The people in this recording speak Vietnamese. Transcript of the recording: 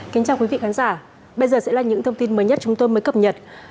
kính chào quý vị khán giả bây giờ sẽ là những thông tin mới nhất chúng tôi mới cập nhật